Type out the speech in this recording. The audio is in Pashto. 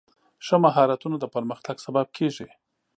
ښه مهارتونه د پرمختګ سبب کېږي.